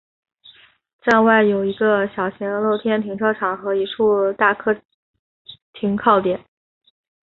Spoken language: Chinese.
站外有一个小型露天停车场和一处大客车停靠点。